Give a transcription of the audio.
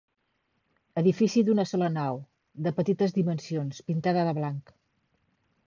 Edifici d'una sola nau, de petites dimensions, pintada de blanc.